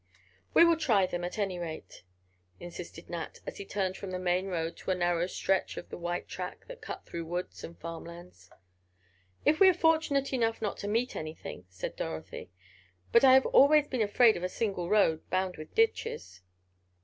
"We will try them, at any rate," insisted Nat, as he turned from the main road to a narrow stretch of white track that cut through woods and farm lands. "If we are fortunate enough not to meet anything," said Dorothy. "But I have always been afraid of a single road, bound with ditches."